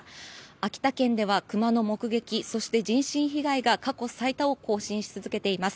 秋田県ではクマの目撃人身被害が過去最多を更新し続けています。